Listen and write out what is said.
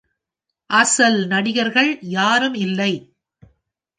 அசல் நடிகர்கள் யாரும் இல்லை